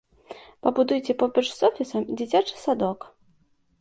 Пабудуйце побач з офісам дзіцячы садок.